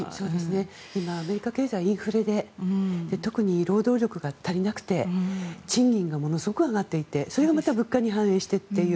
今、アメリカ経済インフレで特に労働力が足りなくて賃金がものすごく上がっていてそれはまた物価に反映してという。